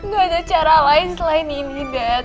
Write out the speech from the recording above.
gak ada cara lain selain ini dead